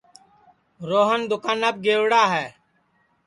روہن دُؔکاناپ گئوڑا ہے